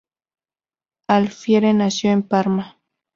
Alfieri nació en Parma.